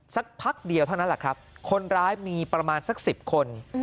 สักพักเดียวเท่านั้นแหละครับคนร้ายมีประมาณสัก๑๐คน